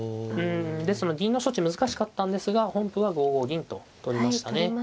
うんですので銀の処置難しかったんですが本譜は５五銀と取りましたね。